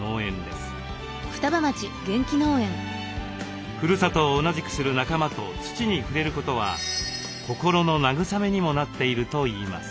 ふるさとを同じくする仲間と土に触れることは心の慰めにもなっているといいます。